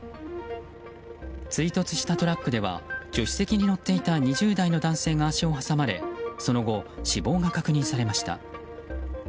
追突したトラックでは助手席に乗っていた２０代の男性が足を挟まれその後、死亡が確認されました。